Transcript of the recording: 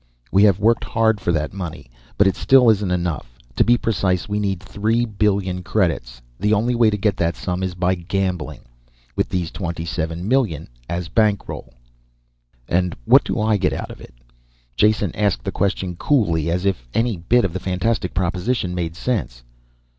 "We have worked hard for that money but it still isn't enough. To be precise, we need three billion credits. The only way to get that sum is by gambling with these twenty seven million as bankroll." "And what do I get out of it?" Jason asked the question coolly, as if any bit of the fantastic proposition made sense.